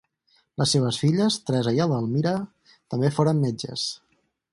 Les seves filles, Teresa i Edelmira, també foren metges.